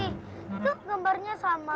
tuh gambarnya sama